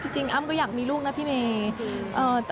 อ้ำก็อยากมีลูกนะพี่เมย์